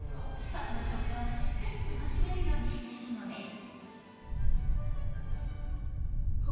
パンの食感をしっかり楽しめるようにしているのです。